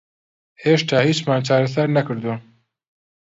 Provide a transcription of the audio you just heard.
هێشتا هیچمان چارەسەر نەکردووە.